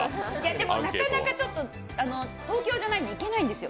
でも、なかなか東京じゃないんで行けないんですよ。